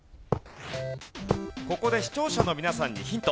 ここで視聴者の皆さんにヒント。